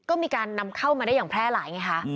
ก็มีการนำเข้ามาได้อย่างแพร่หลายไงคะ